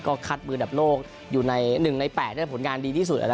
ก็คัดมืออันดับโลกอยู่ใน๑ใน๘ได้ผลงานดีที่สุด